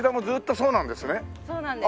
そうなんです。